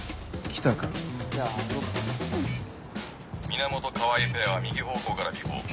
源川合ペアは右方向から尾行。